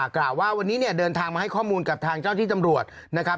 กล่าวว่าวันนี้เนี่ยเดินทางมาให้ข้อมูลกับทางเจ้าที่ตำรวจนะครับ